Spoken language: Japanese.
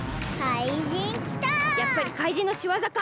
やっぱりかいじんのしわざか！